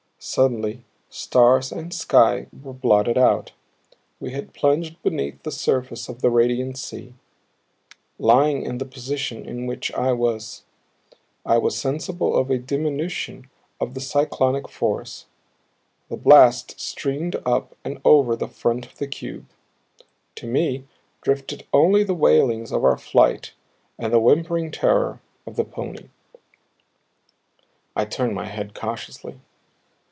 Suddenly stars and sky were blotted out. We had plunged beneath the surface of the radiant sea. Lying in the position in which I was, I was sensible of a diminution of the cyclonic force; the blast streamed up and over the front of the cube. To me drifted only the wailings of our flight and the whimpering terror of the pony. I turned my head cautiously.